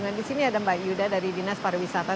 nah disini ada mbak yuda dari dinas pariwisata